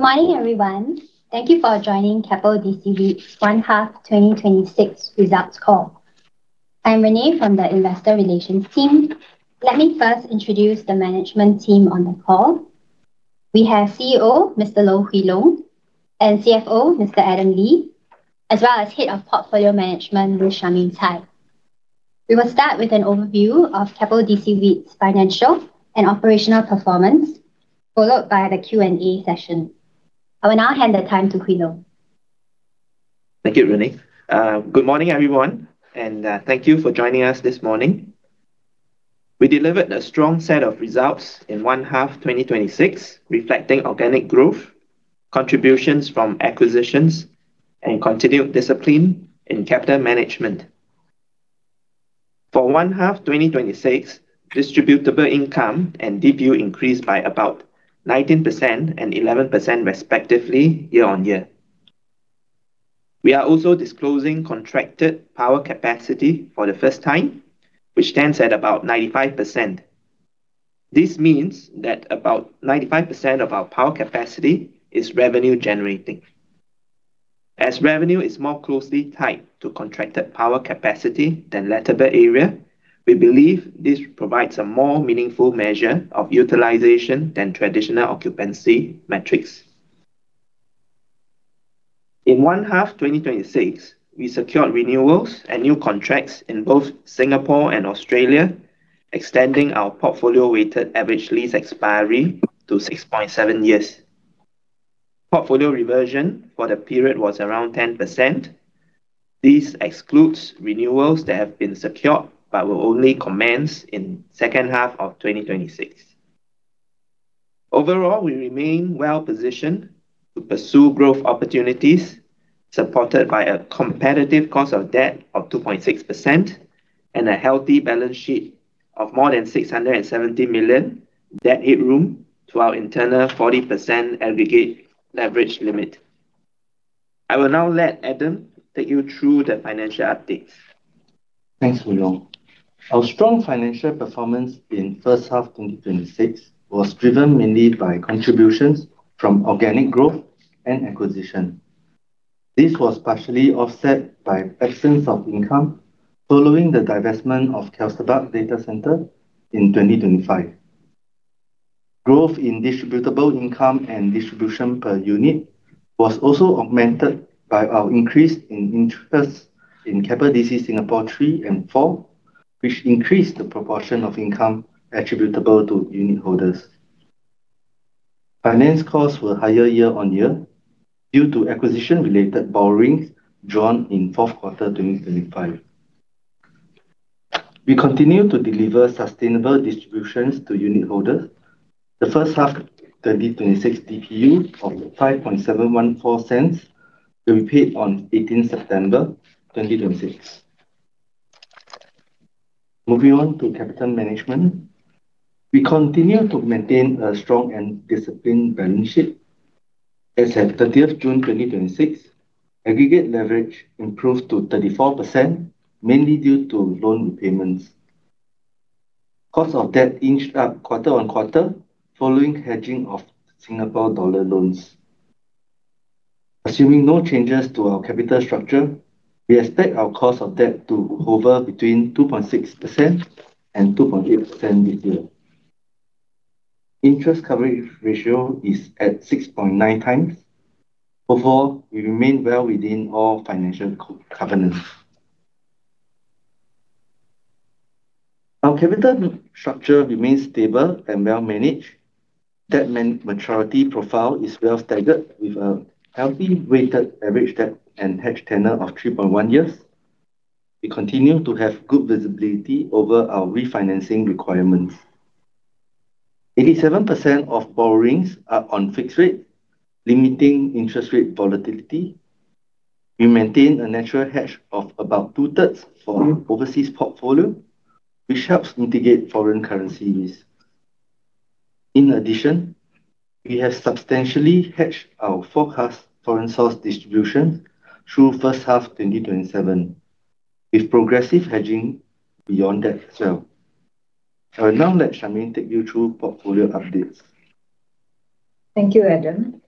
Morning, everyone. Thank you for joining Keppel DC REIT's one half 2026 results call. I'm Renee from the investor relations team. Let me first introduce the management team on the call. We have CEO, Mr. Loh Hwee Long, and CFO, Mr. Adam Lee, as well as Head of Portfolio Management, Ms. Charmaine Cai. We will start with an overview of Keppel DC REIT's financial and operational performance, followed by the Q&A session. I will now hand the time to Hwee Long. Thank you, Renee. Good morning, everyone, and thank you for joining us this morning. We delivered a strong set of results in one half 2026, reflecting organic growth, contributions from acquisitions, and continued discipline in capital management. For one half 2026, distributable income and DPU increased by about 19% and 11% respectively year-on-year. We are also disclosing contracted power capacity for the first time, which stands at about 95%. This means that about 95% of our power capacity is revenue generating. As revenue is more closely tied to contracted power capacity than lettable area, we believe this provides a more meaningful measure of utilization than traditional occupancy metrics. In one half 2026, we secured renewals and new contracts in both Singapore and Australia, extending our portfolio weighted average lease expiry to 6.7 years. Portfolio reversion for the period was around 10%. This excludes renewals that have been secured but will only commence in second half of 2026. Overall, we remain well-positioned to pursue growth opportunities, supported by a competitive cost of debt of 2.6% and a healthy balance sheet of more than 670 million, debt headroom to our internal 40% aggregate leverage limit. I will now let Adam take you through the financial updates. Thanks, Hwee Long. Our strong financial performance in first half 2026 was driven mainly by contributions from organic growth and acquisition. This was partially offset by absence of income following the divestment of Kelsterbach Data Centre in 2025. Growth in distributable income and distribution per unit was also augmented by our increase in interest in Keppel DC Singapore 3 and 4, which increased the proportion of income attributable to unitholders. Finance costs were higher year-on-year due to acquisition-related borrowings drawn in fourth quarter 2025. We continue to deliver sustainable distributions to unitholders. The first half 2026 DPU of 0.05714 will be paid on 18 September 2026. Moving on to capital management. We continue to maintain a strong and disciplined balance sheet. As at 30th June 2026, aggregate leverage improved to 34%, mainly due to loan repayments. Cost of debt inched up quarter-on-quarter following hedging of Singapore dollar loans. Assuming no changes to our capital structure, we expect our cost of debt to hover between 2.6% and 2.8% this year. Interest coverage ratio is at 6.9x. Before, we remained well within all financial covenants. Our capital structure remains stable and well managed. Debt maturity profile is well staggered with a healthy weighted average debt and hedge tenor of 3.1 years. We continue to have good visibility over our refinancing requirements. 87% of borrowings are on fixed rate, limiting interest rate volatility. We maintain a natural hedge of about two-thirds for our overseas portfolio, which helps mitigate foreign currency risk. In addition, we have substantially hedged our forecast foreign source distribution through first half 2027, with progressive hedging beyond that as well. I will now let Charmaine take you through portfolio updates. Thank you, Adam.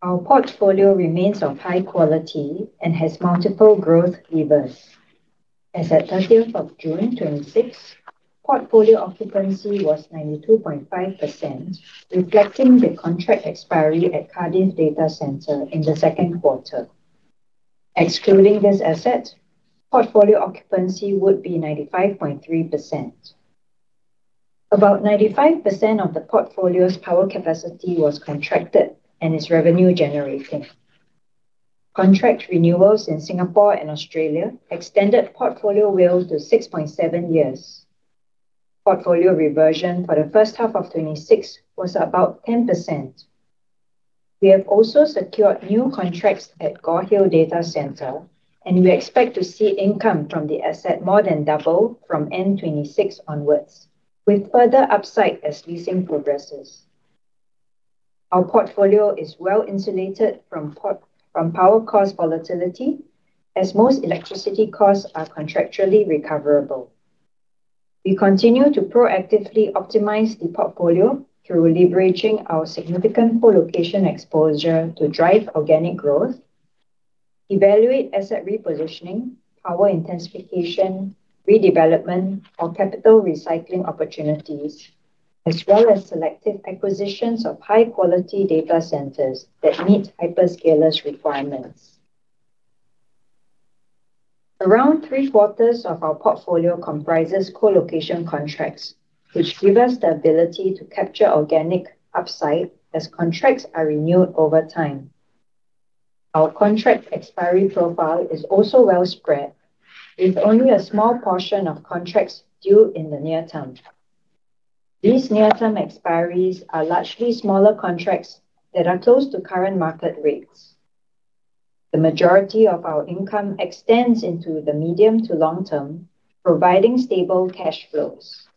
Our portfolio remains of high quality and has multiple growth levers. As at 30th of June 2026, portfolio occupancy was 92.5%, reflecting the contract expiry at Cardiff Data Centre in the second quarter. Excluding this asset, portfolio occupancy would be 95.3%. About 95% of the portfolio's power capacity was contracted and is revenue generating. Contract renewals in Singapore and Australia extended portfolio WALE to 6.7 years. Portfolio reversion for the first half of 2026 was about 10%. We have also secured new contracts at Gore Hill Data Centre. We expect to see income from the asset more than double from 2026 onwards, with further upside as leasing progresses. Our portfolio is well-insulated from power cost volatility, as most electricity costs are contractually recoverable. We continue to proactively optimize the portfolio through leveraging our significant co-location exposure to drive organic growth, evaluate asset repositioning, power intensification, redevelopment or capital recycling opportunities, as well as selective acquisitions of high-quality data centers that meet hyperscalers' requirements. Around three-quarters of our portfolio comprises co-location contracts, which give us the ability to capture organic upside as contracts are renewed over time. Our contract expiry profile is also well spread, with only a small portion of contracts due in the near term. These near-term expiries are largely smaller contracts that are close to current market rates. The majority of our income extends into the medium to long term, providing stable cash flows.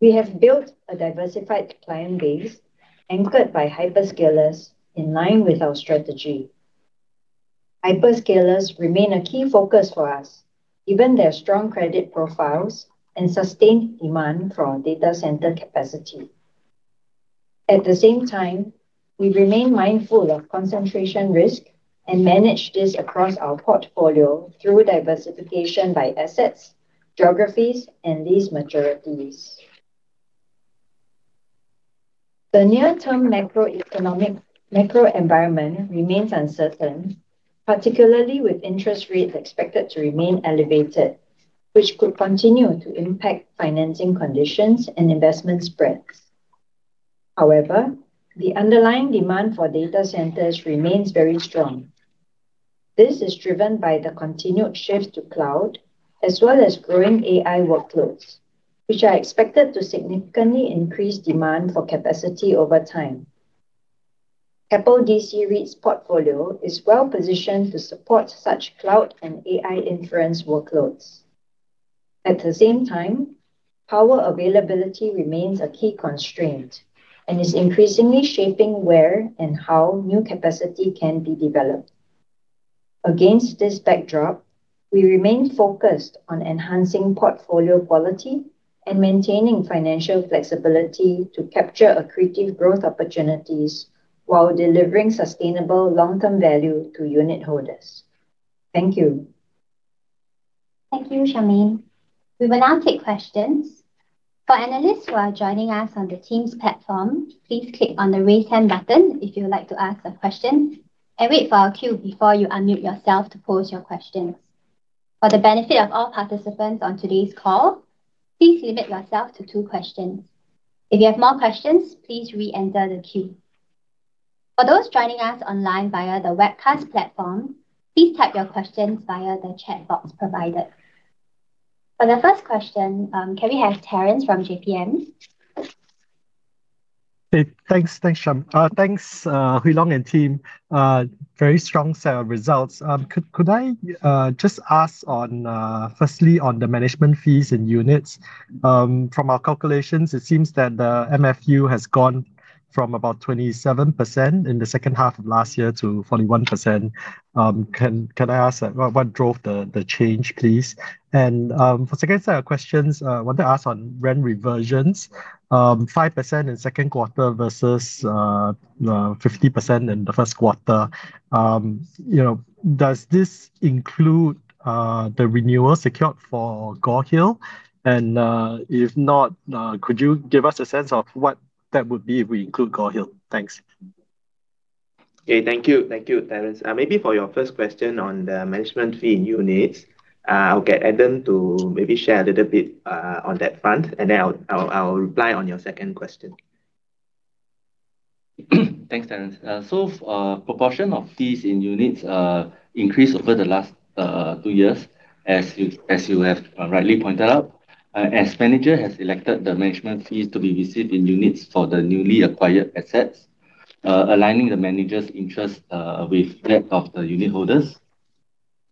We have built a diversified client base anchored by hyperscalers in line with our strategy. Hyperscalers remain a key focus for us, given their strong credit profiles and sustained demand for our data center capacity. At the same time, we remain mindful of concentration risk and manage this across our portfolio through diversification by assets, geographies, and lease maturities. The near-term macro environment remains uncertain, particularly with interest rates expected to remain elevated, which could continue to impact financing conditions and investment spreads. However, the underlying demand for data centers remains very strong. This is driven by the continued shift to cloud as well as growing AI workloads, which are expected to significantly increase demand for capacity over time. Keppel DC REIT's portfolio is well positioned to support such cloud and AI inference workloads. At the same time, power availability remains a key constraint and is increasingly shaping where and how new capacity can be developed. Against this backdrop, we remain focused on enhancing portfolio quality and maintaining financial flexibility to capture accretive growth opportunities while delivering sustainable long-term value to unit holders. Thank you. Thank you, Charmaine. We will now take questions. For analysts who are joining us on the Teams platform, please click on the raise hand button if you would like to ask a question, and wait for our cue before you unmute yourself to pose your questions. For the benefit of all participants on today's call, please limit yourself to two questions. If you have more questions, please re-enter the queue. For those joining us online via the webcast platform, please type your questions via the chat box provided. For the first question, can we have Terence from JPMorgan? Hey, thanks. Thanks, Hwee Long and team. Very strong set of results. Could I just ask firstly on the management fees in units? From our calculations, it seems that the MFU has gone from about 27% in the second half of last year to 41%. Can I ask what drove the change, please? For the second set of questions, I wanted to ask on rent reversions, 5% in second quarter versus 50% in the first quarter. Does this include the renewal secured for Gore Hill? If not, could you give us a sense of what that would be if we include Gore Hill? Thanks. Okay. Thank you, Terence. Maybe for your first question on the management fee in units, I'll get Adam to maybe share a little bit on that front, and then I'll reply on your second question. Thanks, Terence. Proportion of fees in units increased over the last two years, as you have rightly pointed out, as manager has elected the management fees to be received in units for the newly acquired assets, aligning the manager's interest with that of the unit holders.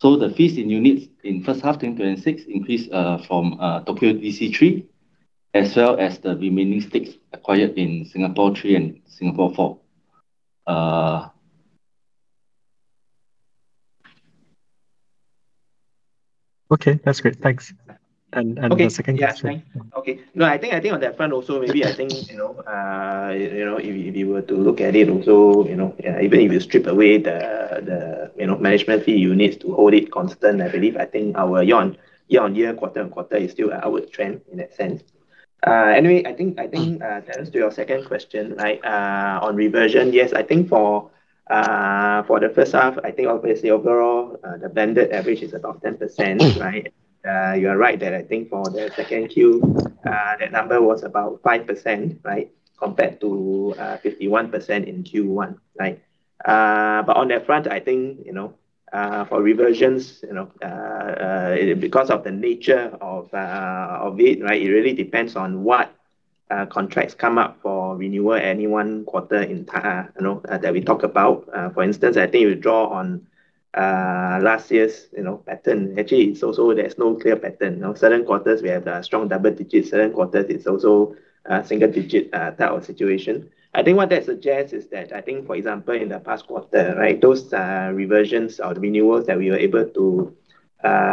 The fees in units in first half 2026 increased from Tokyo DC 3, as well as the remaining stakes acquired in Singapore 3 and Singapore 4. Okay. That's great. Thanks. The second question? Okay. Yeah, that's fine. Okay. No, I think on that front also, maybe if you were to look at it also, even if you strip away the management fee units to hold it constant, I believe, I think our year-over-year, quarter-over-quarter is still our trend in that sense. Anyway, I think, Terence, to your second question on reversion. Yes, I think for the first half, I think obviously overall, the blended average is about 10%, right? You are right that I think for the second Q, the number was about 5%, right? Compared to 51% in Q1, right? On that front, I think, for reversions, because of the nature of it really depends on what contracts come up for renewal any one quarter that we talk about. For instance, I think if you draw on last year's pattern, actually, there's no clear pattern. Certain quarters we have the strong double digits. Certain quarters, it's also a single-digit type of situation. I think what that suggests is that, I think, for example, in the past quarter, those reversions or the renewals that we were able to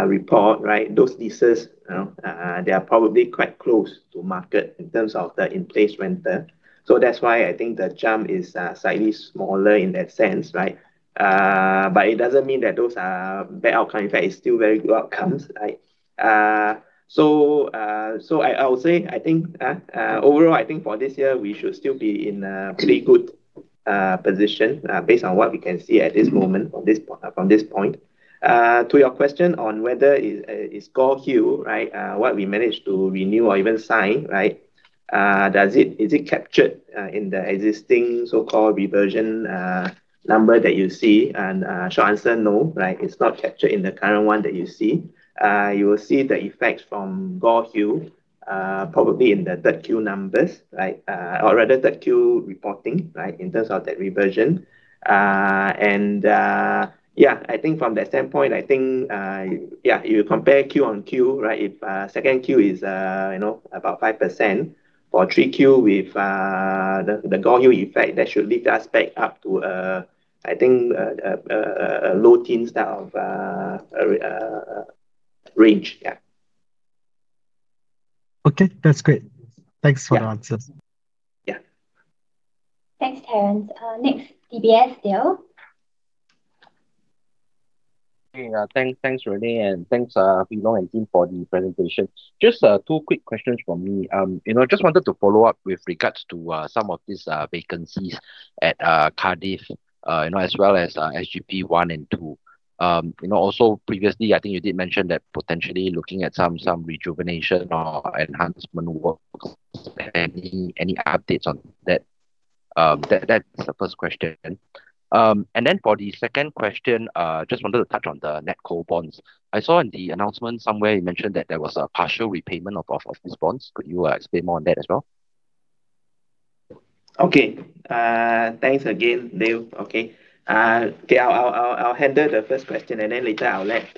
report, those leases they are probably quite close to market in terms of the in-place rent. That's why I think the jump is slightly smaller in that sense. It doesn't mean that those are bad outcome. In fact, it's still very good outcomes. I would say, overall, I think for this year, we should still be in a pretty good position based on what we can see at this moment from this point. To your question on whether it's Gore Hill, what we managed to renew or even sign. Is it captured in the existing so-called reversion number that you see? Short answer, no. It's not captured in the current one that you see. You will see the effects from Gore Hill probably in the third Q numbers. Rather third Q reporting, in terms of that reversion. Yeah, I think from that standpoint, if you compare Q on Q, if second Q is about 5% for 3Q with the Gore Hill effect, that should lift us back up to, I think, a low teens type of range. Yeah. Okay, that's great. Thanks for the answers. Yeah. Thanks, Terence. Next, DBS Dale. Thanks, Renee, and thanks, Long and team for the presentation. Just two quick questions from me. Just wanted to follow up with regards to some of these vacancies at Cardiff, as well as SGP 1 and SGP 2. Previously, I think you did mention that potentially looking at some rejuvenation or enhancement work. Any updates on that? That's the first question. Then for the second question, just wanted to touch on the NetCo bonds. I saw in the announcement somewhere you mentioned that there was a partial repayment of these bonds. Could you explain more on that as well? Okay. Thanks again, Dale. Okay. I'll handle the first question, and then later I'll let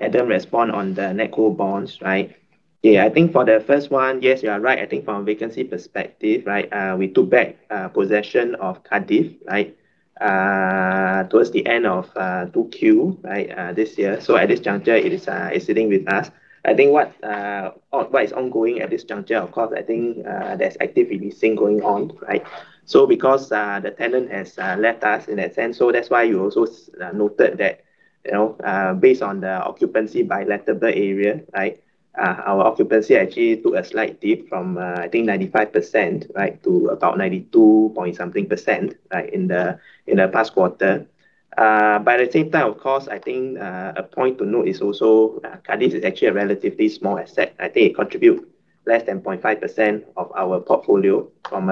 Adam respond on the NetCo bonds. I think for the first one, yes, you are right. I think from a vacancy perspective, we took back possession of Cardiff towards the end of 2Q this year. At this juncture, it is sitting with us. I think what is ongoing at this juncture, of course, I think there's activity seen going on. Because the tenant has left us in that sense. That's why you also noted that based on the occupancy by lettable area, our occupancy actually took a slight dip from, I think, 95% to about 92.something% in the past quarter. At the same time, of course, I think a point to note is also, Cardiff is actually a relatively small asset. I think it contribute less than 0.5% of our portfolio from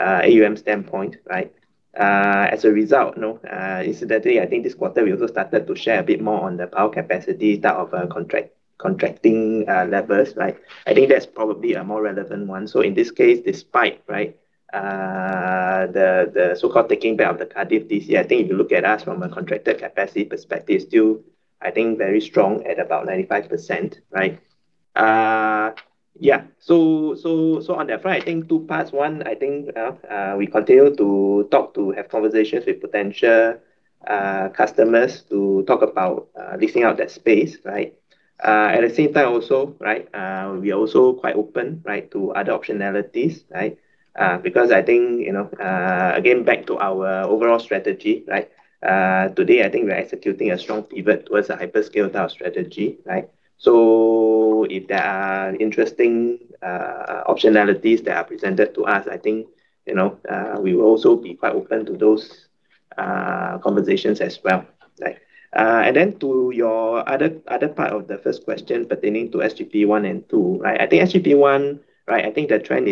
AUM standpoint. As a result, incidentally, I think this quarter we also started to share a bit more on the power capacity type of contracting levers. I think that's probably a more relevant one. In this case, despite the so-called taking back of the Cardiff Data Centre, I think if you look at us from a contracted capacity perspective, still, I think very strong at about 95%. On that front, I think two parts. One, I think we continue to have conversations with potential customers to talk about leasing out that space. At the same time also, we are also quite open to other optionalities. I think, again, back to our overall strategy, today I think we are executing a strong pivot towards the hyperscale type strategy. If there are interesting optionalities that are presented to us, I think we will also be quite open to those conversations as well. To your other part of the first question pertaining to SGP 1 and 2. I think SGP 1, I think the trend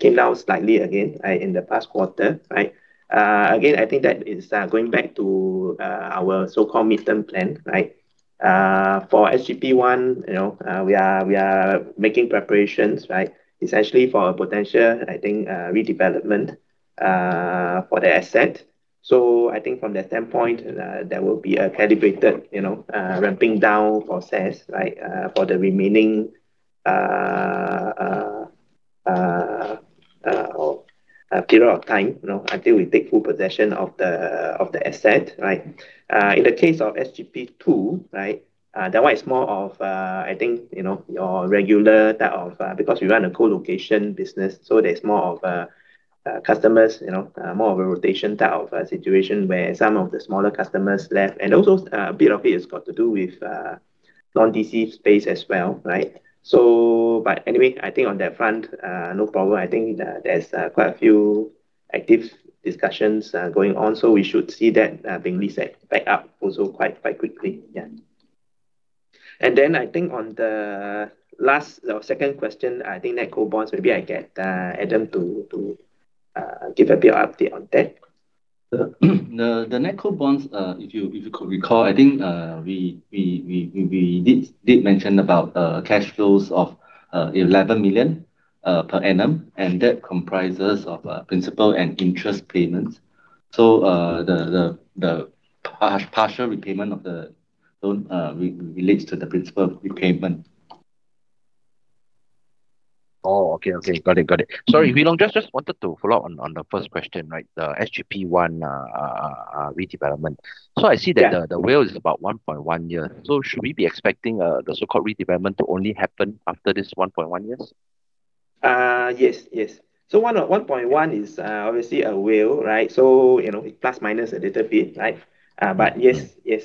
came down slightly again in the past quarter. Again, I think that is going back to our so-called midterm plan. For SGP 1, we are making preparations essentially for a potential, I think, redevelopment for the asset. I think from that standpoint, there will be a calibrated ramping down process for the remaining period of time until we take full possession of the asset. In the case of SGP 2, that one is more of, I think, your regular type of. Because we run a co-location business, there's more of a rotation type of situation where some of the smaller customers left, and also a bit of it has got to do with non-DC space as well. Anyway, I think on that front, no problem. I think there's quite a few active discussions going on. We should see that being leased back up also quite quickly. I think on the second question, I think NetCo bonds, maybe I get Adam to give a bit of update on that. The NetCo bonds, if you could recall, I think we did mention about cash flows of 11 million per annum, and that comprises of principal and interest payments. The partial repayment of the loan relates to the principal repayment Sorry, Hwee Long, just wanted to follow up on the first question, the SGP 1 redevelopment. I see that Yeah. WALE is about 1.1 year. Should we be expecting the so-called redevelopment to only happen after this 1.1 years? Yes. 1.1 year is obviously a WALE. It plus minus a little bit. Yes.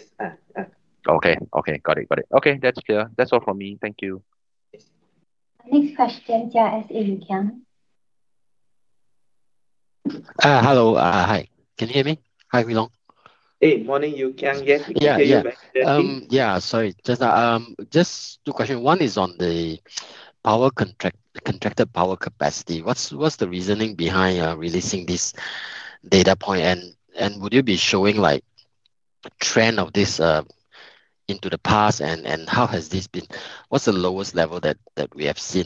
Okay. Got it. Okay, that's clear. That's all from me. Thank you. Yes. Next question, CLSA Yew Kiang. Hello. Hi. Can you hear me? Hi, Hwee Long. Hey, morning, Yew Kiang. Yes, we can hear you very clearly. Yeah. Sorry, just two questions. One is on the contracted power capacity. What's the reasoning behind releasing this data point? Would you be showing a trend of this into the past and how has this been? What's the lowest level that we have seen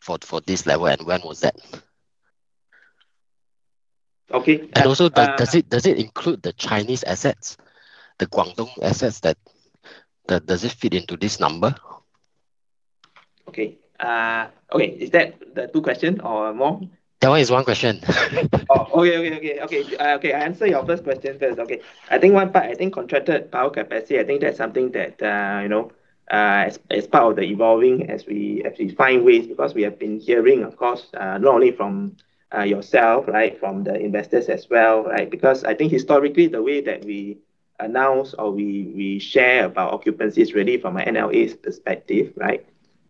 for this level? When was that? Okay. Also, does it include the Chinese assets, the Guangdong assets? Does it fit into this number? Okay. Is that the two questions or more? That one is one question. Oh, okay. I answer your first question first. Contracted power capacity, that's something that, as part of the evolving, as we find ways, because we have been hearing, of course, not only from yourself, from the investors as well. Historically the way that we announce or we share about occupancies really from an NLA perspective.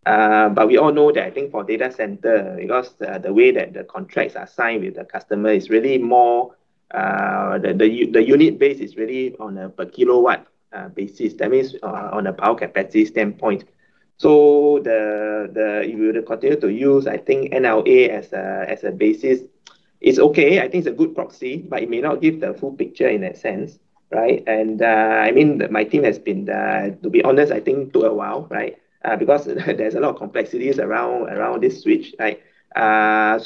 We all know that for data center, because the way that the contracts are signed with the customer is really more, the unit base is really on a per kilowatt basis. That means on a power capacity standpoint. If we were to continue to use NLA as a basis, it's okay. It's a good proxy, but it may not give the full picture in that sense. My team has been, to be honest, took a while. There's a lot of complexities around this switch. We thought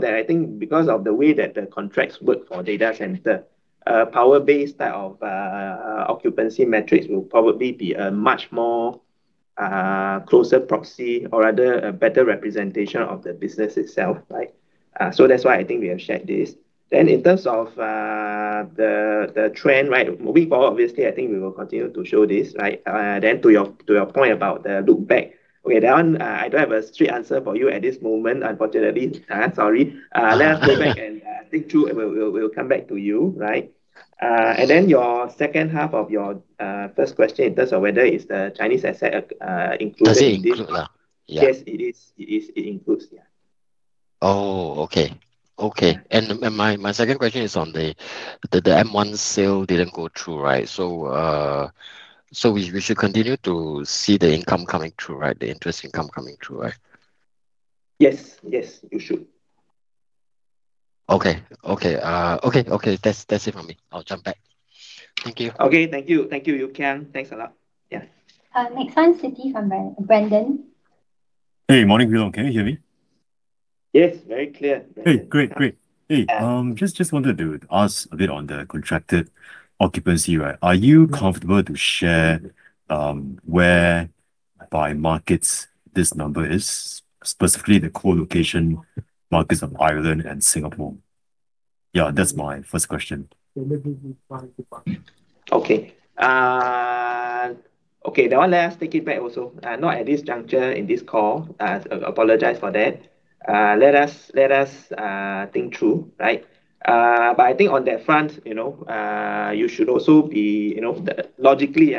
that because of the way that the contracts work for data center, power-based type of occupancy metrics will probably be a much more closer proxy or rather a better representation of the business itself. That's why we have shared this. In terms of the trend, moving forward, obviously, we will continue to show this. To your point about the look back, okay, that one, I don't have a straight answer for you at this moment, unfortunately. Sorry. Let us go back and think through, and we'll come back to you. Your second half of your first question in terms of whether is the Chinese asset included in this. Does it include? Yeah. Yes, it is, it includes, yeah. Oh, okay. My second question is on the M1 sale didn't go through. We should continue to see the income coming through, the interest income coming through, right? Yes. You should. Okay. That's it for me. I'll jump back. Thank you. Okay. Thank you, Yew Kiang. Thanks a lot. Yeah. Next one, Citi from Brandon. Hey, morning, Hwee Long. Can you hear me? Yes, very clear. Hey, great. Hey, just wanted to ask a bit on the contracted occupancy. Are you comfortable to share where by markets this number is? Specifically, the co-location markets of Ireland and Singapore? Yeah, that's my first question. Okay. That one, let us take it back also. Not at this juncture in this call. Apologize for that. Let us think through. I think on that front, you should also be, logically,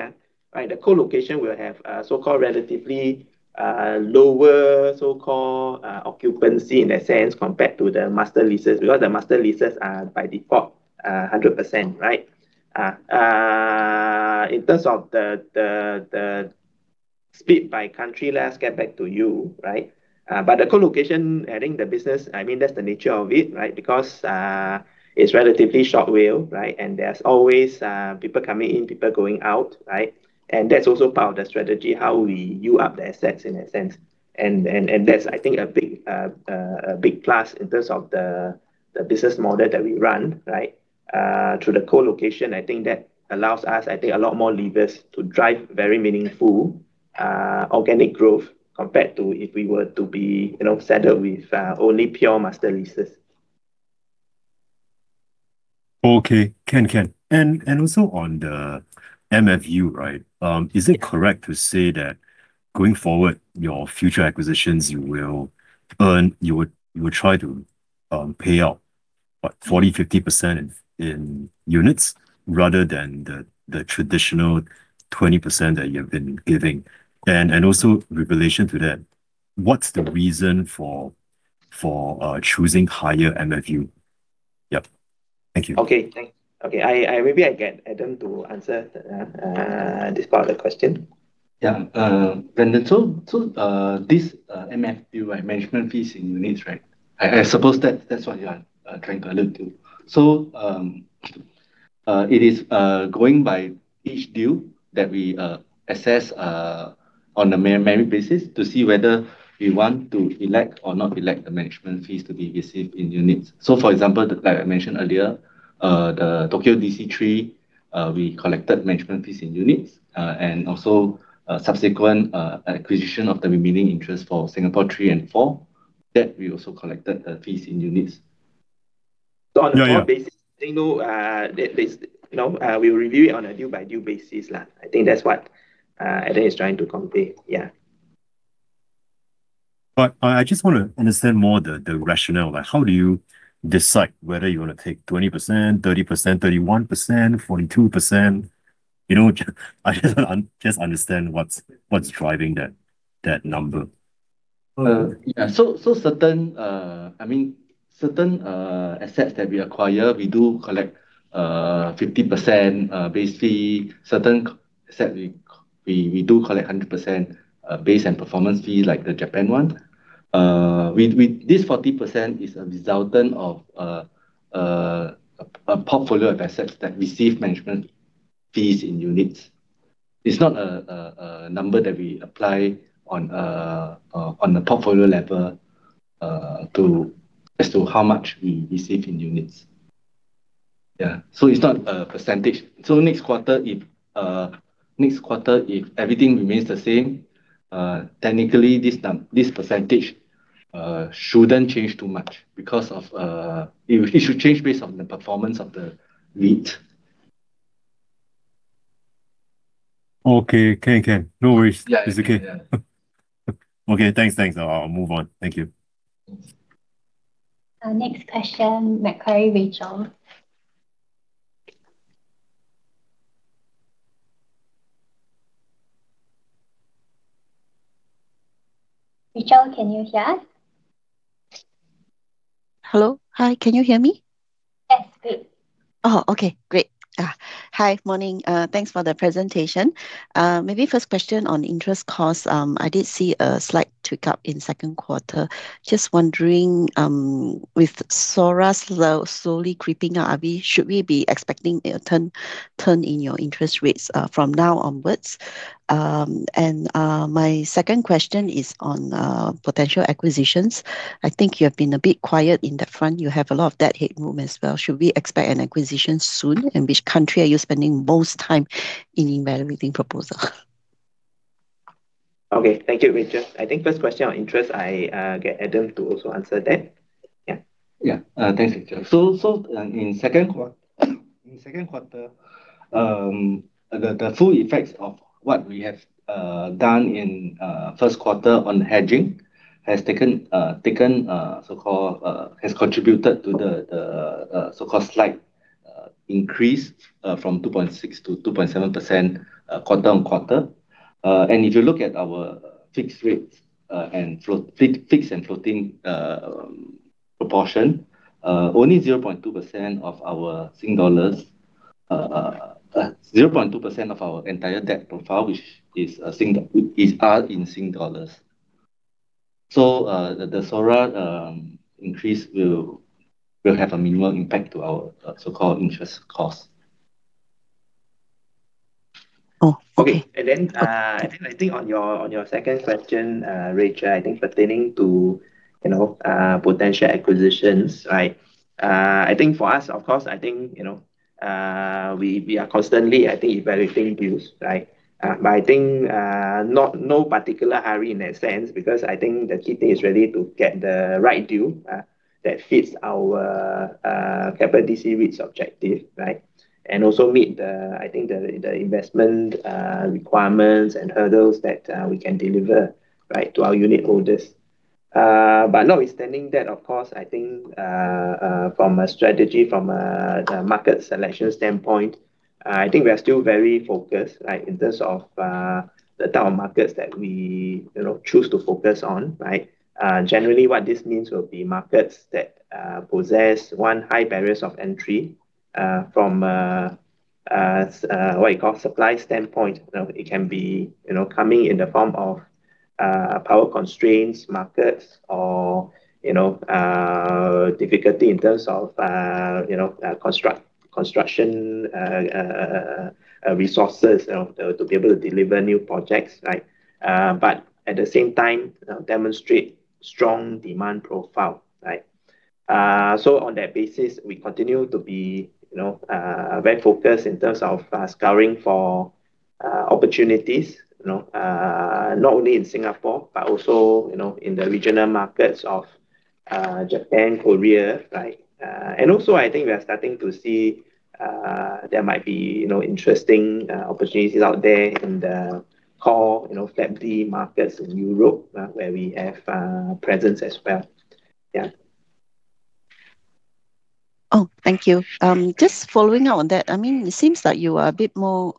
the co-location will have so-called relatively lower so-called occupancy in that sense compared to the master leases, because the master leases are by default 100%. In terms of the split by country, let us get back to you. The co-location, I think the business, that's the nature of it. It's relatively short WALE, and there's always people coming in, people going out. That's also part of the strategy, how we U up the assets in that sense. That's, I think, a big plus in terms of the business model that we run. Through the co-location, I think that allows us, I think, a lot more levers to drive very meaningful organic growth compared to if we were to be saddled with only pure master leases. Okay. Can. Also on the MFU. Is it correct to say that going forward, your future acquisitions, you will try to pay out, what, 40%-50% in units rather than the traditional 20% that you have been giving? Also with relation to that, what's the reason for choosing higher MFU? Yep. Thank you. Okay. Maybe I get Adam to answer this part of the question. Brandon, this MFU, management fees in units. I suppose that's what you are trying to allude to. It is going by each deal that we assess on a merit basis to see whether we want to elect or not elect the management fees to be received in units. For example, like I mentioned earlier, the Tokyo DC3 We collected management fees in units, subsequent acquisition of the remaining interest for Singapore 3 and 4, that we also collected the fees in units. Yeah. On a pro basis, they know that we will review it on a deal-by-deal basis. I think that's what Adam is trying to convey. Yeah. I just want to understand more the rationale. How do you decide whether you want to take 20%, 30%, 31%, 42%? I just want to understand what's driving that number. Yeah. Certain assets that we acquire, we do collect 50% base fee. Certain asset we do collect 100% base and performance fee, like the Japan one. This 40% is a resultant of a portfolio of assets that receive management fees in units. It's not a number that we apply on a portfolio level as to how much we receive in units. Yeah. It's not a percentage. Next quarter, if everything remains the same, technically this percentage shouldn't change too much. It should change based on the performance of the REIT. Okay. Can. No worries. Yeah. It's okay. Okay, thanks. I'll move on. Thank you. Next question, Macquarie, Rachel. Rachel, can you hear us? Hello. Hi, can you hear me? Yes, great. Okay. Great. Hi. Morning. Thanks for the presentation. Maybe first question on interest cost. I did see a slight tick up in second quarter. Just wondering, with SORA slowly creeping up, should we be expecting a turn in your interest rates from now onwards? My second question is on potential acquisitions. I think you have been a bit quiet in that front. You have a lot of debt headroom as well. Should we expect an acquisition soon? Which country are you spending most time in evaluating proposal? Okay. Thank you, Rachel. I think first question on interest, I get Adam to also answer that. Thanks, Rachel. In second quarter, the full effects of what we have done in first quarter on hedging has contributed to the so-called slight increase from 2.6%-2.7% quarter-on-quarter. If you look at our fixed rates and floating proportion, only 0.2% of our entire debt profile are in Singapore dollars. The SORA increase will have a minimal impact to our so-called interest cost. Oh, okay. I think on your second question, Rachel, I think pertaining to potential acquisitions. I think for us, of course, we are constantly evaluating deals. I think no particular hurry in that sense, because I think the key thing is really to get the right deal that fits our Keppel DC REIT's objective. Also meet the investment requirements and hurdles that we can deliver to our unitholders. Notwithstanding that, of course, I think from a strategy, from a market selection standpoint, I think we are still very focused in terms of the type of markets that we choose to focus on. Generally, what this means will be markets that possess, one, high barriers of entry from a supply standpoint. It can be coming in the form of power constraints markets or difficulty in terms of construction resources to be able to deliver new projects. At the same time, demonstrate strong demand profile. On that basis, we continue to be very focused in terms of scouring for opportunities, not only in Singapore, but also in the regional markets of Japan, Korea. Also, I think we are starting to see there might be interesting opportunities out there in the core FLAP markets in Europe, where we have presence as well. Yeah. Oh, thank you. Just following on that, it seems that you are a bit more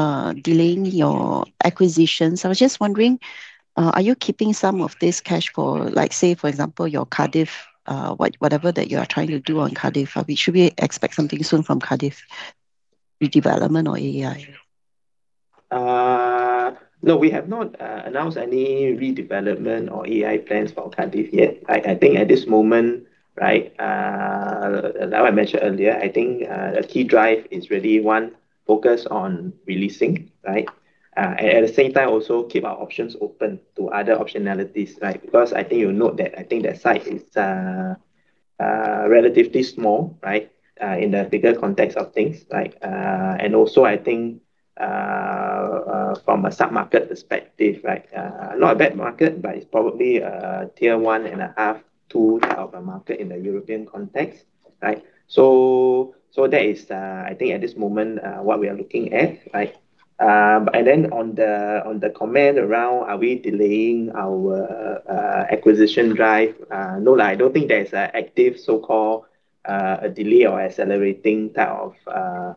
delaying your acquisitions. I was just wondering, are you keeping some of this cash for like, say for example, your Cardiff, whatever that you are trying to do on Cardiff? Should we expect something soon from Cardiff? Redevelopment or AEI? No, we have not announced any redevelopment or AEI plans for Cardiff yet. I think at this moment, as I mentioned earlier, I think a key drive is really, one, focus on re-leasing. At the same time, also keep our options open to other optionalities. I think you'll note that, I think that site is relatively small in the bigger context of things. I think from a submarket perspective. Not a bad market, but it's probably a Tier 1.5, Tier 2 type of market in the European context. That is, I think at this moment, what we are looking at. On the comment around are we delaying our acquisition drive? No, I don't think there is an active so-called delay or accelerating type of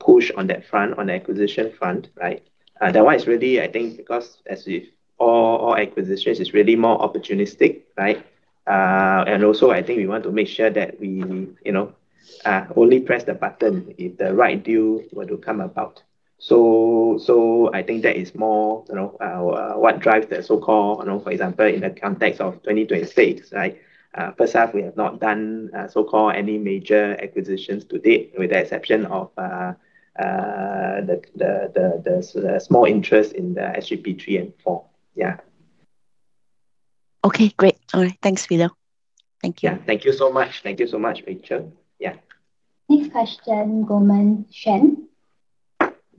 push on that front, on the acquisition front, right? That one is really, I think because as with all acquisitions, it's really more opportunistic, right? I think we want to make sure that we only press the button if the right deal were to come about. I think that is more what drives the so-called, for example, in the context of 2026, right? First half, we have not done so-called any major acquisitions to date with the exception of the small interest in the SGP 3 and SGP 4. Yeah. Okay, great. All right. Thanks, Hwee Long. Thank you. Yeah. Thank you so much. Thank you so much, Rachel. Yeah. Next question, Goldman Shen.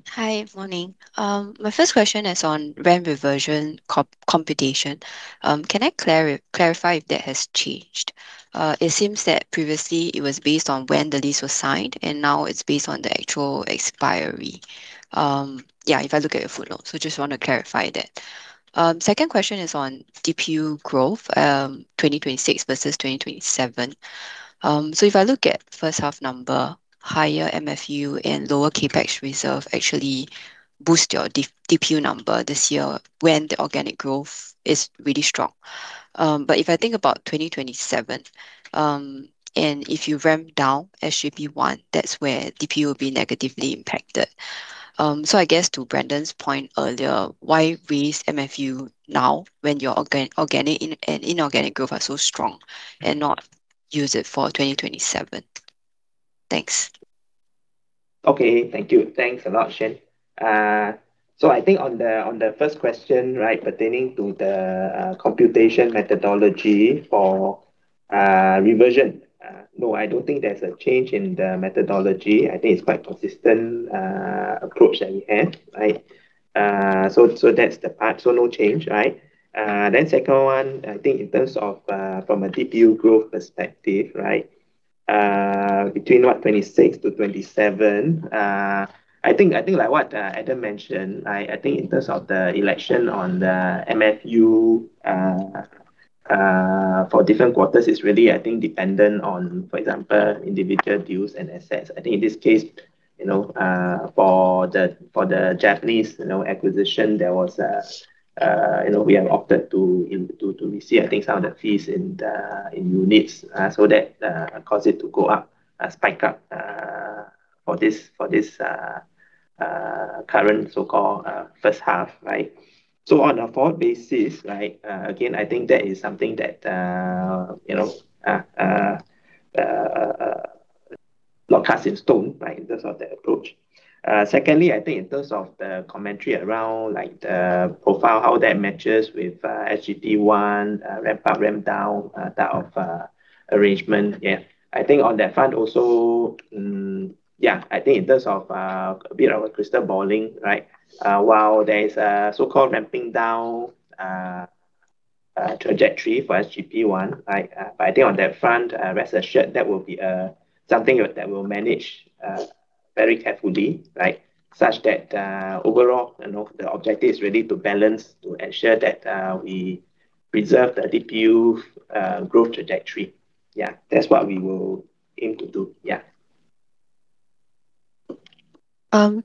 Hi, morning. My first question is on rent reversion computation. Can I clarify if that has changed? It seems that previously it was based on when the lease was signed, and now it's based on the actual expiry. Yeah, if I look at your footnote. Just want to clarify that. Second question is on DPU growth 2026 versus 2027. If I look at first half number, higher MFU and lower CapEx reserve actually boost your DPU number this year when the organic growth is really strong. But if I think about 2027, and if you ramp down SGP 1, that's where DPU will be negatively impacted. I guess to Brandon's point earlier, why raise MFU now when your organic and inorganic growth are so strong and not use it for 2027? Thanks. Okay. Thank you. Thanks a lot, Shen. I think on the first question pertaining to the computation methodology for reversion. No, I don't think there's a change in the methodology. I think it's quite consistent approach that we have. That's the part. No change. Second one, I think in terms of from a DPU growth perspective. Between what 2026-2027. I think like what Adam mentioned, I think in terms of the election on the MFU for different quarters is really, I think dependent on, for example, individual deals and assets. I think in this case for the Japanese acquisition, we have opted to receive, I think, some of the fees in units. That caused it to go up, spike up for this current so-called first half. On a forward basis, again, I think that is something that not cast in stone. In terms of that approach. Secondly, I think in terms of the commentary around the profile, how that matches with SGP 1, ramp up, ramp down type of arrangement. Yeah. I think on that front also, I think in terms of a bit of a crystal balling. While there is a so-called ramping down trajectory for SGP 1. I think on that front, rest assured that will be something that we'll manage very carefully. Such that overall, the objective is really to balance to ensure that we preserve the DPU growth trajectory. Yeah, that's what we will aim to do. Yeah.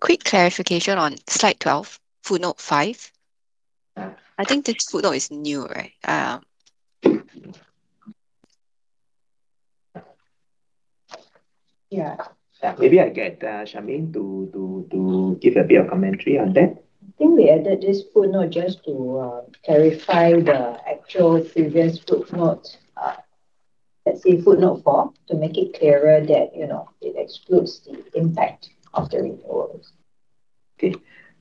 Quick clarification on slide 12, footnote five. I think this footnote is new, right? Maybe I get Charmaine to give a bit of commentary on that. I think we added this footnote just to clarify the actual previous footnotes. Let's say footnote four, to make it clearer that it excludes the impact of the renewals. Okay.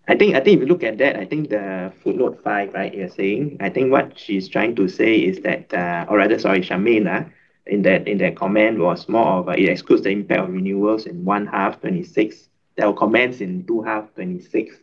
I think if you look at that, I think the footnote five you're saying, I think what she's trying to say is that, or rather, sorry, Charmaine, in that comment was more of it excludes the impact of renewals in one half 2026 that will commence in two half 2026.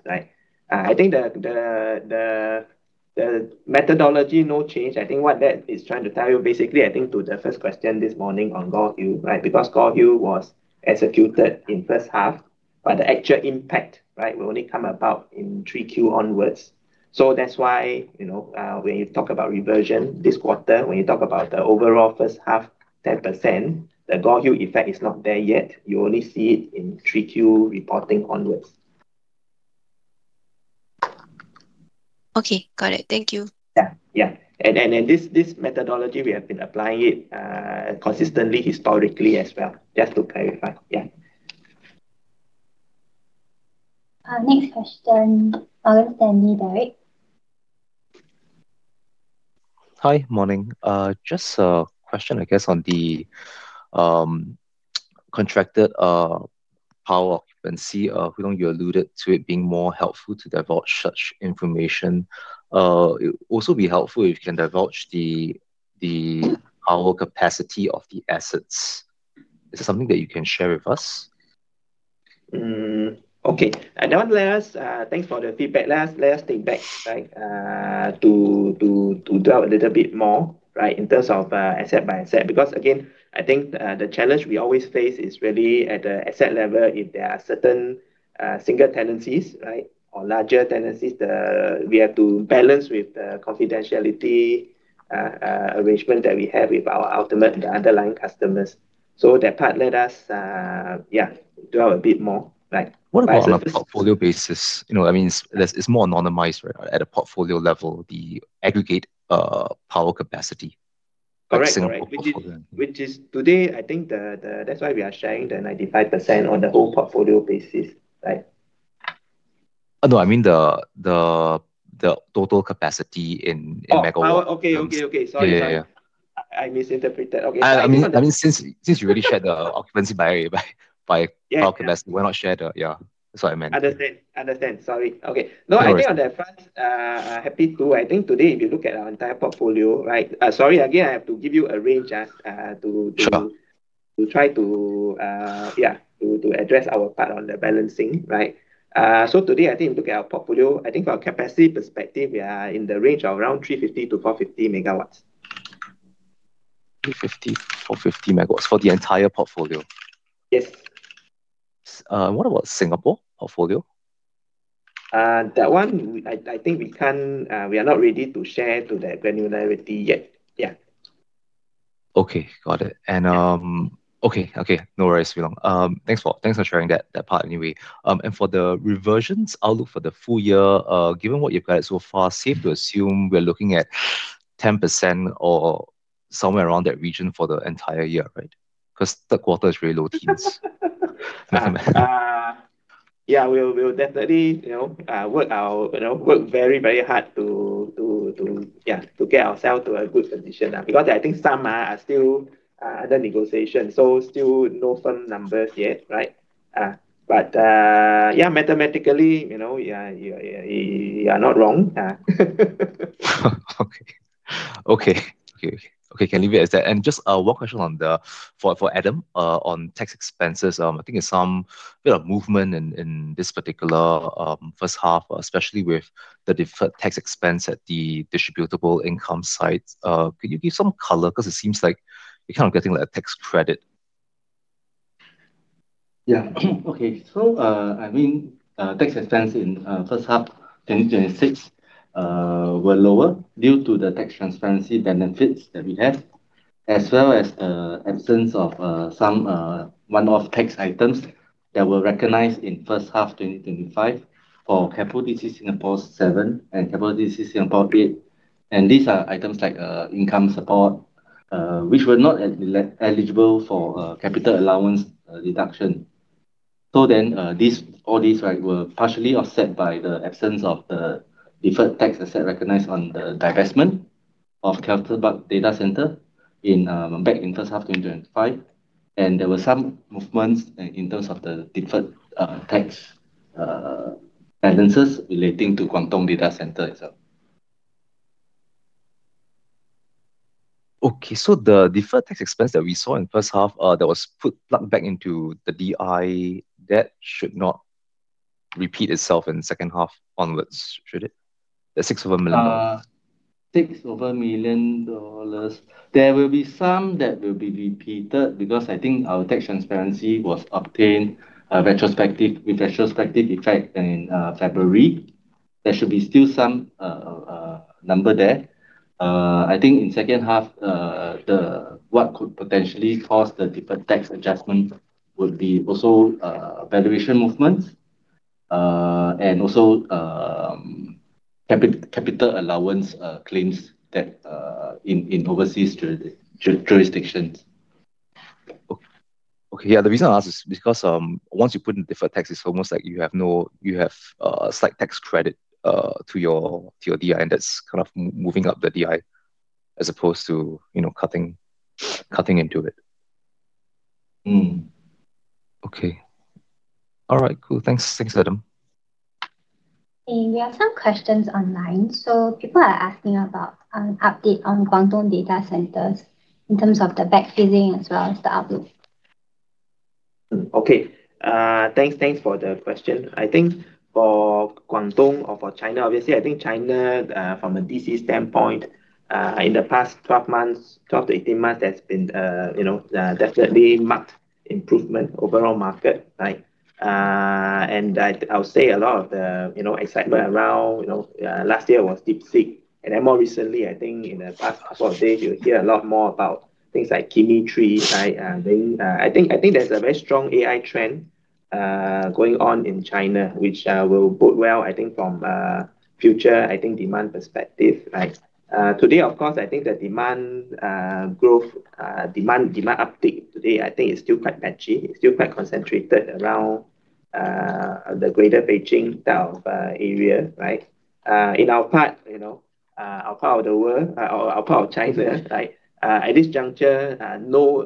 I think the methodology no change. I think what that is trying to tell you basically, I think to the first question this morning on Gore Hill. Because Gore Hill was executed in first half, but the actual impact will only come about in 3Q onwards. That's why when you talk about reversion this quarter, when you talk about the overall first half, 10%, the Gore Hill effect is not there yet. You only see it in 3Q reporting onwards. Okay. Got it. Thank you. Yeah. This methodology, we have been applying it consistently, historically as well. Just to clarify. Yeah. Next question, DBS Derek. Hi. Morning. Just a question, I guess on contracted power occupancy. Hwee Long, you alluded to it being more helpful to divulge such information. It would also be helpful if you can divulge the power capacity of the assets. Is this something that you can share with us? Okay. Thanks for the feedback. Let us take back to delve a little bit more in terms of asset by asset. Again, I think the challenge we always face is really at the asset level, if there are certain single tenancies or larger tenancies, we have to balance with the confidentiality arrangement that we have with our ultimate underlying customers. That part let us delve a bit more. What about on a portfolio basis? It's more anonymized at a portfolio level, the aggregate power capacity. Correct. Today, I think that's why we are sharing the 95% on the whole portfolio basis, right? No, I mean the total capacity in megawatts. Okay. Sorry. Yeah. I misinterpreted. Okay. Since you already shared the occupancy by power capacity, why not share the Yeah, that's what I meant. Understand. Sorry. Okay. I think on that front, happy to. I think today, if you look at our entire portfolio, right? Sorry, again, I have to give you a range. Sure. To try to address our part on the balancing. Today, I think look at our portfolio, I think our capacity perspective, we are in the range of around 350 MW-450 MW. 350 MW-450 MW for the entire portfolio. Yes. What about Singapore portfolio? That one, I think we are not ready to share to that granularity yet. Yeah. Okay. Got it. Okay. No worries, Hwee Long. Thanks for sharing that part anyway. For the reversions outlook for the full year, given what you've guided so far, safe to assume we're looking at 10% or somewhere around that region for the entire year, right? Because third quarter is really low teens. Yeah. We'll definitely work very hard to get ourselves to a good position now. I think some are still under negotiation, still no firm numbers yet. Yeah, mathematically you are not wrong. Okay. Can leave it as that. Just one question for Adam on tax expenses. I think there's some bit of movement in this particular first half, especially with the deferred tax expense at the distributable income side. Could you give some color? It seems like you're kind of getting a tax credit. Yeah. Okay. Tax expense in first half 2026 were lower due to the tax transparency benefits that we have, as well as absence of some one-off tax items that were recognized in first half 2025 for Keppel DC Singapore 7 and Keppel DC Singapore 8. These are items like income support, which were not eligible for capital allowance deduction. All these were partially offset by the absence of the deferred tax asset recognized on the divestment of Cardiff Data Centre back in first half 2025. There were some movements in terms of the deferred tax balances relating to Guangdong Data Centre itself. Okay. The deferred tax expense that we saw in first half that was plugged back into the DI, that should not repeat itself in second half onwards, should it? The six over a million dollars. Six over a million dollars. There will be some that will be repeated because I think our tax transparency was obtained with retrospective effect in February. There should be still some number there. I think in second half, what could potentially cause the deferred tax adjustment would be also valuation movements, and also capital allowance claims in overseas jurisdictions. Okay. Yeah. The reason I ask is because once you put in deferred tax, it's almost like you have a slight tax credit to your DI, and that's kind of moving up the DI as opposed to cutting into it. Okay. All right, cool. Thanks, Adam. Hey, we have some questions online. People are asking about an update on Guangdong Data Centres in terms of the backfilling as well as the outlook. Okay. Thanks for the question. I think for Guangdong or for China, obviously, I think China, from a DC standpoint, in the past 12-18 months, there's been definitely marked improvement overall market. I would say a lot of the excitement around last year was DeepSeek. Then more recently, I think in the past couple of days, you hear a lot more about things like Kimi K3. I think there's a very strong AI trend going on in China, which will bode well, I think from a future demand perspective. Today, of course, I think the demand growth, demand update today, I think is still quite patchy. It's still quite concentrated around the greater Beijing area. In our part of the world, our part of China, at this juncture,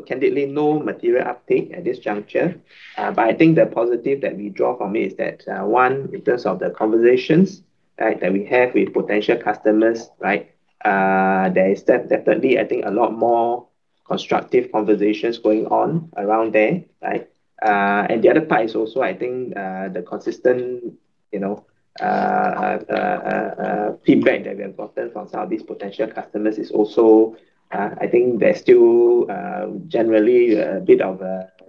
candidly, no material uptake at this juncture. I think the positive that we draw from it is that, one, in terms of the conversations that we have with potential customers, there is definitely, I think, a lot more constructive conversations going on around there. The other part is also, I think, the consistent feedback that we have gotten from some of these potential customers is also, I think they're still generally a bit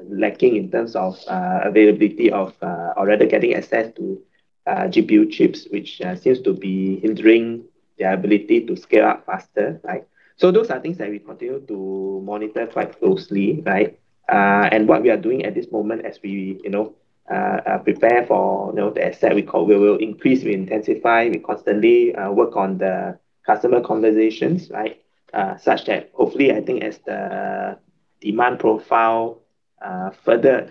lacking in terms of availability of already getting access to GPU chips, which seems to be hindering their ability to scale up faster. Those are things that we continue to monitor quite closely. What we are doing at this moment as we prepare for the asset recovery, we will increase, we intensify, we constantly work on the customer conversations. Such that hopefully, I think as the demand profile further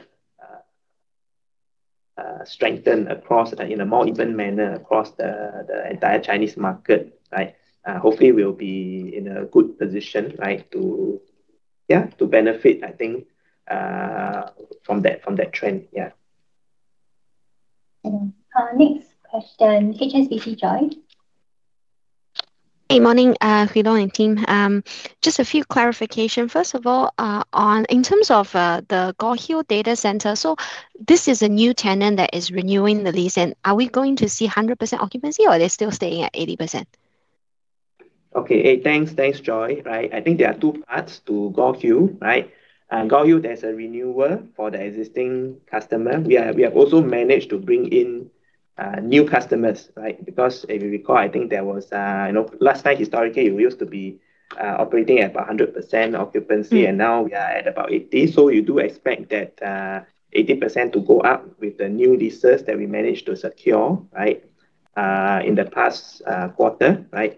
strengthen in a more even manner across the entire Chinese market, hopefully we'll be in a good position to benefit, I think from that trend. Yeah. Next question, HSBC, Joy. Hey, morning, Hwee Long and team. Just a few clarification. First of all, in terms of the Guangdong Data Centre, this is a new tenant that is renewing the lease. Are we going to see 100% occupancy or they're still staying at 80%? Okay. Hey, thanks, Joy. I think there are two parts to Guangdong Data Centre. Guangdong Data Centre, there's a renewal for the existing customer. We have also managed to bring in new customers. If you recall, I think last time historically, we used to be operating at 100% occupancy, and now we are at about 80%. You do expect that 80% to go up with the new leases that we managed to secure in the past quarter. I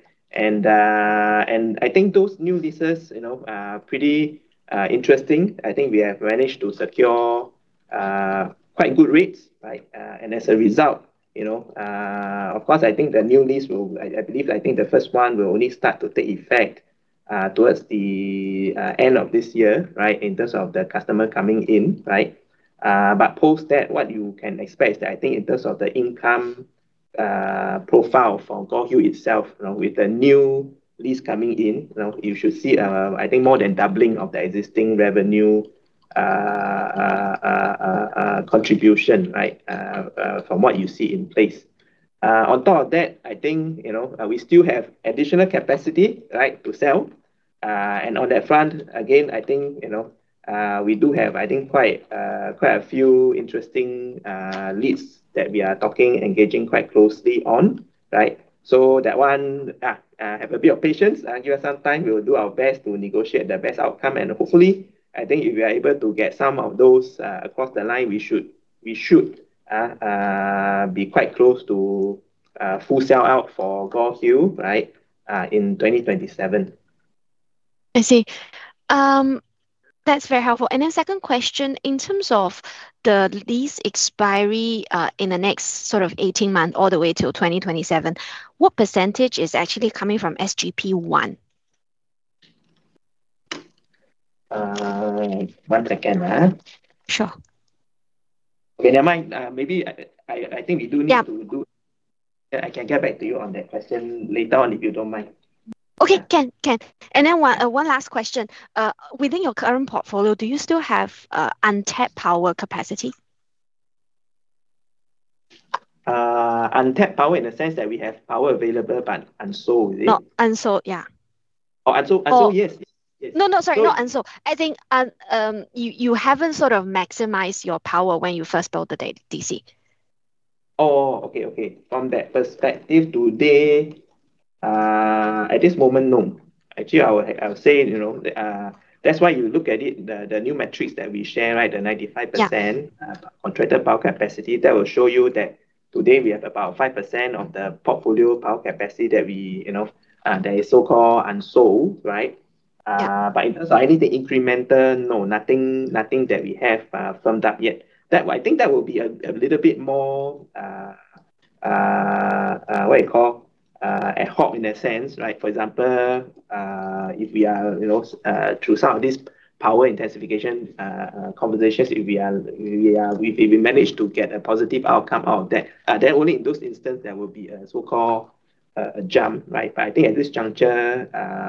think those new leases are pretty interesting. I think we have managed to secure quite good rates. As a result, of course, I think the new lease will, I believe, the first one will only start to take effect towards the end of this year in terms of the customer coming in. Post that, what you can expect is that I think in terms of the income profile for Guohua itself with the new lease coming in, you should see, I think more than doubling of the existing revenue contribution from what you see in place. On top of that, I think we still have additional capacity to sell. On that front, again, I think we do have quite a few interesting leads that we are talking, engaging quite closely on. That one, have a bit of patience. Give us some time. We will do our best to negotiate the best outcome, and hopefully, I think if we are able to get some of those across the line, we should be quite close to full sell-out for Guohua in 2027. I see. That's very helpful. Second question, in terms of the lease expiry in the next 18 months all the way till 2027, what percentage is actually coming from SGP 1? One second. Sure. Okay, never mind. Yeah, I can get back to you on that question later on, if you don't mind. Okay, can. Then one last question. Within your current portfolio, do you still have untapped power capacity? Untapped power in the sense that we have power available but unsold, is it? Not unsold, yeah. Oh, unsold, yes. No, sorry, not unsold. I think you haven't maximized your power when you first built the DC. Oh, okay. From that perspective today, at this moment, no. Actually, I would say, that's why you look at it, the new metrics that we share, the 95%. Yeah. Contracted power capacity, that will show you that today we have about 5% of the portfolio power capacity that is so-called unsold. Yeah. In terms of any incremental, no, nothing that we have firmed up yet. I think that will be a little bit more, ad hoc in a sense. For example, if we are through some of these power intensification conversations, if we manage to get a positive outcome out of that, then only in those instances there will be a so-called jump. I think at this juncture,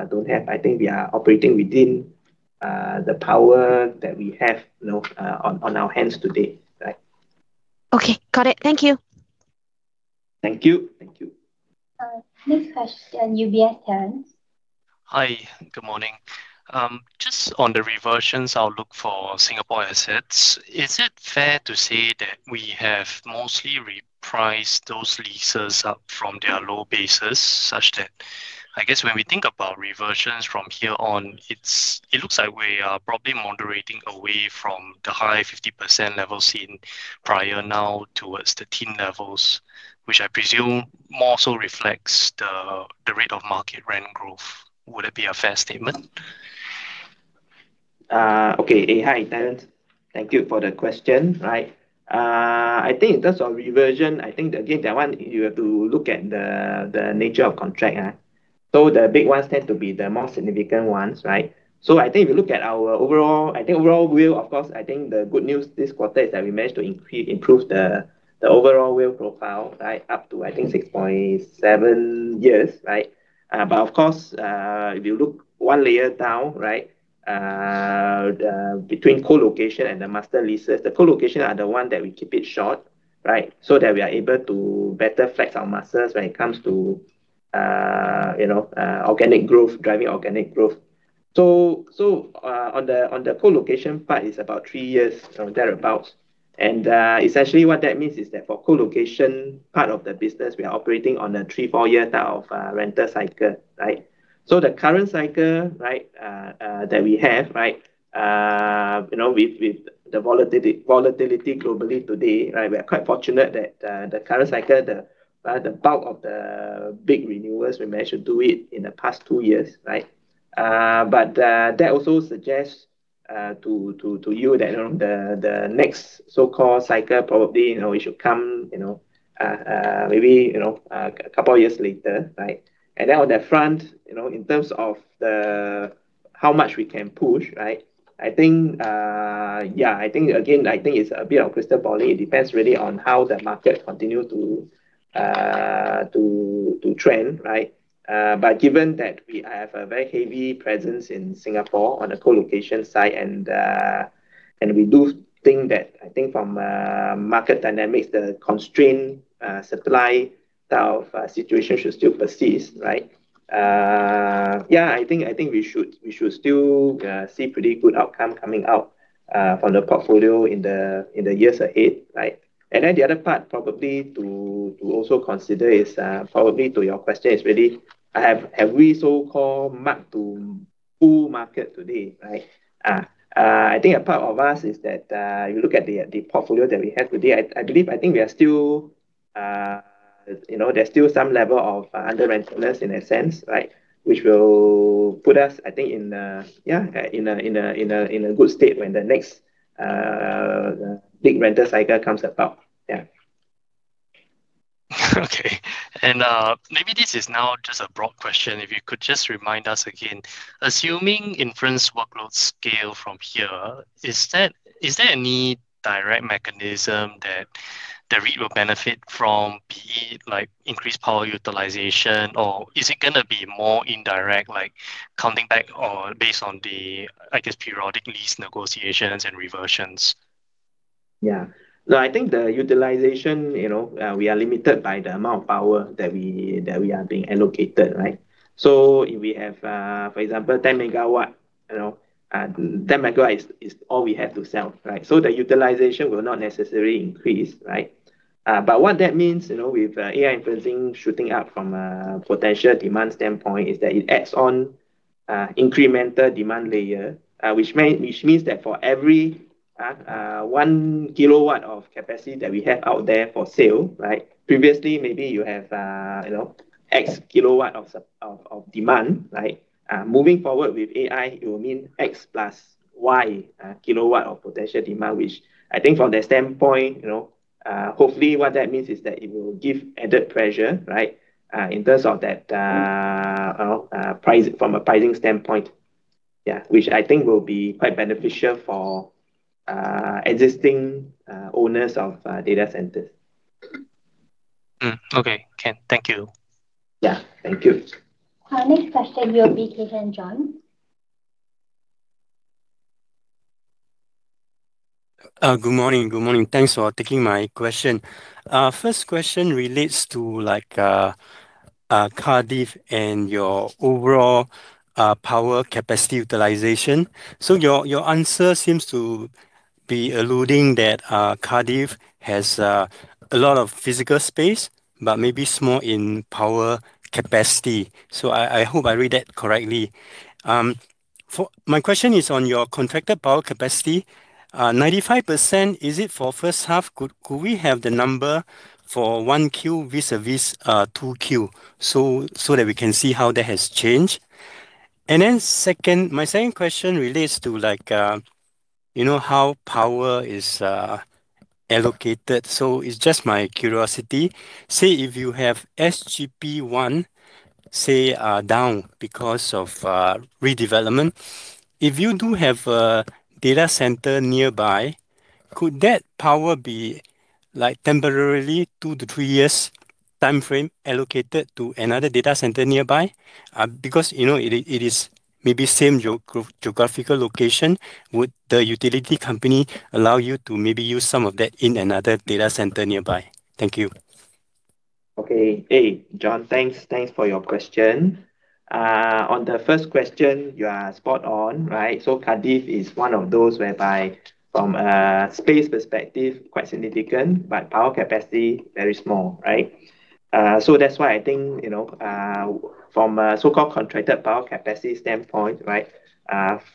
don't have. I think we are operating within the power that we have on our hands today. Okay. Got it. Thank you. Thank you. Next question, UBS, Terence. Hi. Good morning. Just on the reversions outlook for Singapore assets, is it fair to say that we have mostly repriced those leases up from their low bases such that, I guess when we think about reversions from here on, it looks like we are probably moderating away from the high 50% level seen prior now towards the teen levels, which I presume more so reflects the rate of market rent growth. Would it be a fair statement? Okay. Hi, Terence. Thank you for the question. In terms of reversion, again, that one you have to look at the nature of contract. The big ones tend to be the most significant ones. If you look at our overall WALE, of course, the good news this quarter is that we managed to improve the overall WALE profile up to 6.7 years. Of course, if you look one layer down between colocation and the master leases, the colocation are the one that we keep it short so that we are able to better flex our muscles when it comes to driving organic growth. On the colocation part is about three years or thereabout. And essentially what that means is that for colocation part of the business, we are operating on a 3-4 year of renter cycle. The current cycle that we have with the volatility globally today, we are quite fortunate that the current cycle, the bulk of the big renewals, we managed to do it in the past two years. That also suggests to you that the next so-called cycle probably, it should come maybe a couple of years later. On that front, in terms of how much we can push, again, it's a bit of crystal balling. It depends really on how the market continue to trend. Given that we have a very heavy presence in Singapore on the colocation side, and we do think that from market dynamics, the constrained supply type situation should still persist. We should still see pretty good outcome coming out from the portfolio in the years ahead. The other part probably to also consider is, probably to your question, is really have we so-called mark to full market today? A part of us is that, you look at the portfolio that we have today, I believe there's still some level of under rentness in a sense which will put us in a good state when the next big rental cycle comes about. Yeah. Okay. Maybe this is now just a broad question. If you could just remind us again, assuming inference workloads scale from here, is there any direct mechanism that the REIT will benefit from, be it increased power utilization, or is it going to be more indirect, like counting back or based on the, I guess, periodic lease negotiations and reversions? Yeah. No, I think the utilization, we are limited by the amount of power that we are being allocated. If we have, for example, 10 MW, 10 MW is all we have to sell. The utilization will not necessarily increase. What that means with AI inferencing shooting up from a potential demand standpoint is that it adds on incremental demand layer which means that for every 1 kW of capacity that we have out there for sale, previously maybe you have X kilowatt of demand. Moving forward with AI, it will mean X plus Y kilowatt of potential demand, which I think from that standpoint, hopefully what that means is that it will give added pressure in terms of from a pricing standpoint. Yeah, which I think will be quite beneficial for existing owners of data centers. Okay. Thank you. Yeah. Thank you. Our next question will be [Ke Gan] John. Good morning. Thanks for taking my question. First question relates to Cardiff and your overall power capacity utilization. Your answer seems to be alluding that Cardiff has a lot of physical space, but maybe small in power capacity. I hope I read that correctly. My question is on your contracted power capacity, 95%, is it for first half? Could we have the number for 1Q vis-a-vis 2Q so that we can see how that has changed? My second question relates to how power is allocated. It's just my curiosity. Say, if you have SGP 1, say, down because of redevelopment, if you do have a data center nearby, could that power be temporarily, 2-3 years timeframe, allocated to another data center nearby? Because it is maybe same geographical location, would the utility company allow you to maybe use some of that in another data center nearby? Thank you. Okay. Hey, John. Thanks for your question. On the first question, you are spot on. Cardiff is one of those whereby from a space perspective, quite significant, but power capacity, very small. That's why I think from a so-called contracted power capacity standpoint,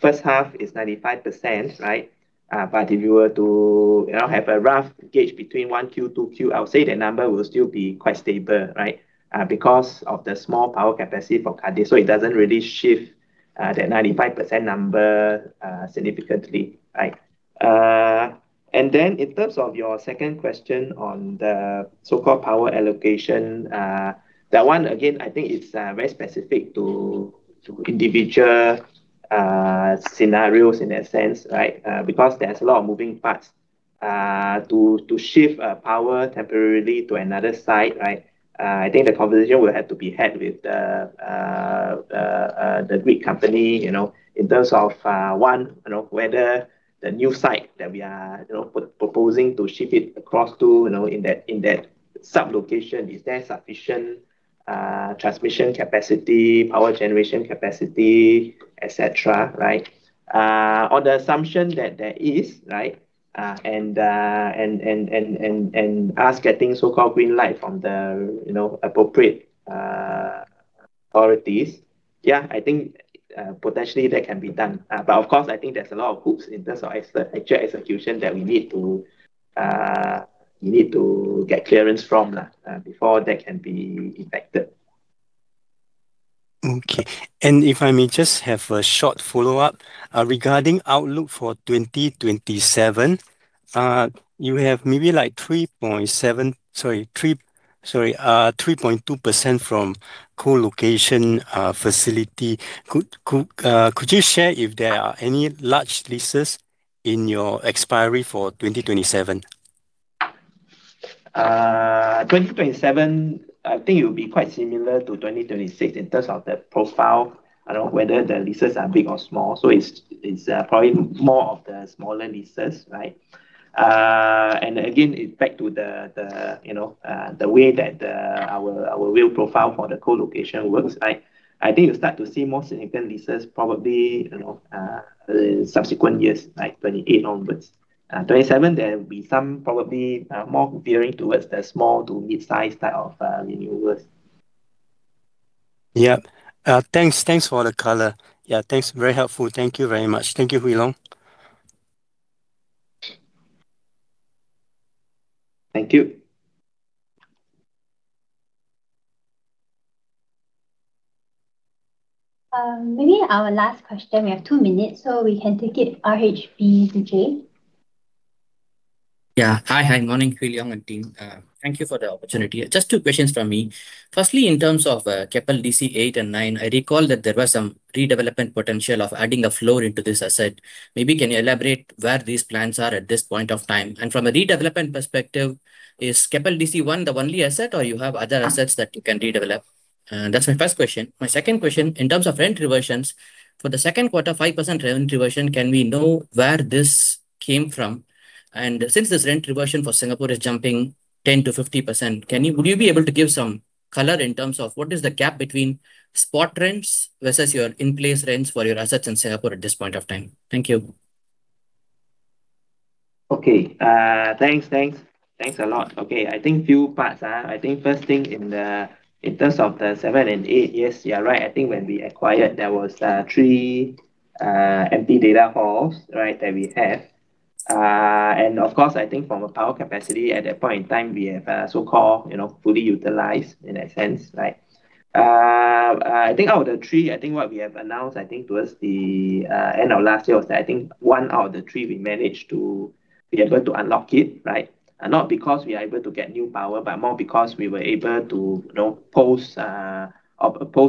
first half is 95%, right? If you were to have a rough gauge between 1Q, 2Q, I would say the number will still be quite stable. Because of the small power capacity for Cardiff, so it doesn't really shift that 95% number significantly. In terms of your second question on the so-called power allocation, that one again, I think is very specific to individual scenarios in that sense. Because there's a lot of moving parts to shift power temporarily to another site. I think the conversation will have to be had with the grid company in terms of, one, whether the new site that we are proposing to shift it across to in that sub-location, is there sufficient transmission capacity, power generation capacity, et cetera. On the assumption that there is, and us getting so-called green light from the appropriate authorities. I think potentially that can be done. Of course, I think there's a lot of hoops in terms of actual execution that we need to get clearance from before that can be effected. Okay. If I may just have a short follow-up regarding outlook for 2027. You have maybe like 3.2% from co-location facility. Could you share if there are any large leases in your expiry for 2027? 2027, I think it will be quite similar to 2026 in terms of the profile. I don't know whether the leases are big or small, so it's probably more of the smaller leases. Again, back to the way that our WALE profile for the co-location works. I think you'll start to see more significant leases probably, in subsequent years, like 2028 onwards. 2027, there will be some probably more gearing towards the small to mid-size type of renewals. Yep. Thanks for the color. Yeah, very helpful. Thank you very much. Thank you, Hwee Long. Thank you. Maybe our last question, we have two minutes, so we can take it, RHB Vijay. Yeah. Hi. Morning, Hwee Long and team. Thank you for the opportunity. Just two questions from me. Firstly, in terms of Keppel DC8 and 9, I recall that there was some redevelopment potential of adding a floor into this asset. Maybe can you elaborate where these plans are at this point of time? From a redevelopment perspective, is Keppel DC1 the only asset, or you have other assets that you can redevelop? That's my first question. My second question, in terms of rent reversions, for the second quarter, 5% rent reversion, can we know where this came from? Since this rent reversion for Singapore is jumping 10%-50%, would you be able to give some color in terms of what is the gap between spot rents versus your in-place rents for your assets in Singapore at this point of time? Thank you. Okay. Thanks a lot. Okay. I think few parts. I think first thing in terms of the seven and eight, you are right. I think when we acquired, there was three empty data halls that we have. Of course, I think from a power capacity at that point in time, we have so-called fully utilized in that sense. Out of the three, I think what we have announced, I think towards the end of last year was that I think one out of the three, we are able to unlock it. Not because we are able to get new power, but more because we were able to post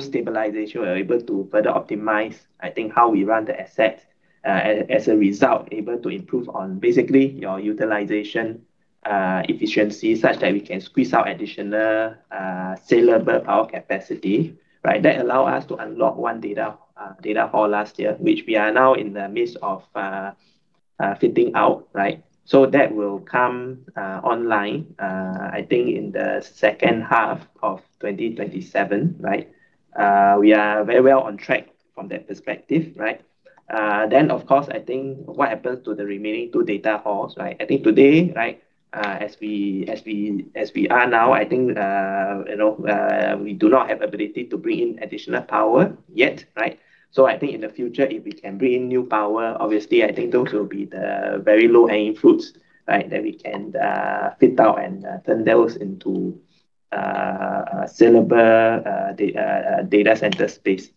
stabilization. We were able to further optimize, I think, how we run the asset. As a result, able to improve on basically your utilization efficiency such that we can squeeze out additional saleable power capacity. That allow us to unlock one data hall last year, which we are now in the midst of fitting out. That will come online, I think in the second half of 2027. We are very well on track from that perspective. Of course, I think what happened to the remaining two data halls. I think today, as we are now, I think we do not have ability to bring in additional power yet. I think in the future, if we can bring in new power, obviously, I think those will be the very low-hanging fruits that we can fit out and turn those into saleable data center space.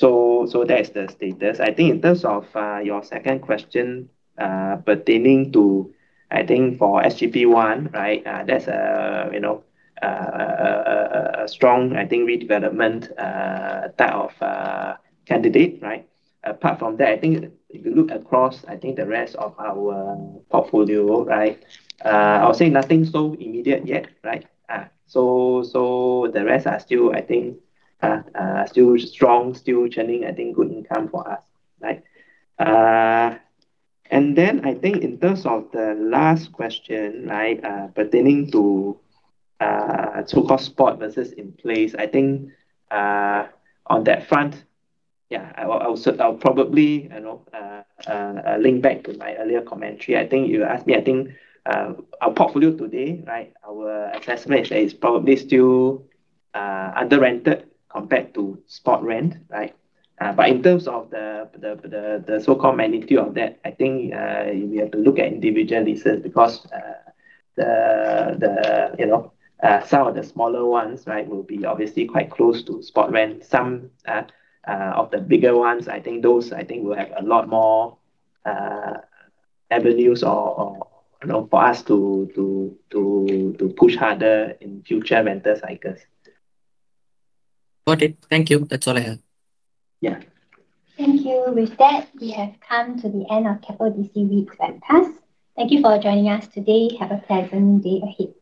That is the status. I think in terms of your second question pertaining to, I think for SGP1, that's a strong, I think, redevelopment type of candidate. Apart from that, I think if you look across the rest of our portfolio, I would say nothing so immediate yet. The rest are still, I think, strong, still churning, I think good income for us. In terms of the last question pertaining to so-called spot versus in-place, I think on that front, I'll probably link back to my earlier commentary. You asked me, I think our portfolio today our assessment is probably still under-rented compared to spot rent. In terms of the so-called magnitude of that, I think we have to look at individual leases because some of the smaller ones will be obviously quite close to spot rent. Some of the bigger ones, I think those will have a lot more avenues for us to push harder in future rental cycles. Got it. Thank you. That's all I have. Yeah. Thank you. With that, we have come to the end of Keppel DC REIT Webcast. Thank you for joining us today. Have a pleasant day ahead.